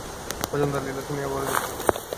মজুমদারের লীলা শুনিয়া বড়ই দুঃখিত।